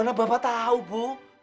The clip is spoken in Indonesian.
mana bapak tahu bu